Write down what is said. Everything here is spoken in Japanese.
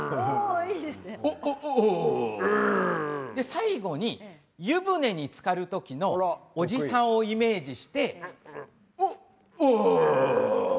最後に湯船につかる時のおじさんをイメージして「オォオー」。